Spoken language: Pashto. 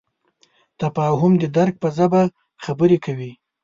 تفاهم د درک په ژبه خبرې کوي.